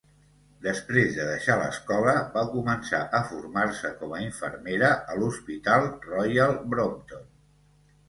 Després de deixar l'escola, va començar a formar-se com a infermera a l'hospital Royal Brompton.